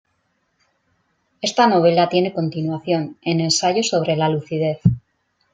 Esta novela tiene continuación en "Ensayo sobre la lucidez".